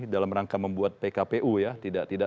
dalam rangka membuat pkpu ya